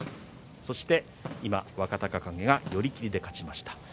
そして今、若隆景が寄り切りで勝ちました。